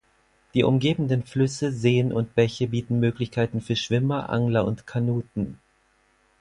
Die umgebenden Flüsse, Seen und Bäche bieten Möglichkeiten für Schwimmer, Angler und Kanuten.